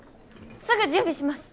すぐ準備します！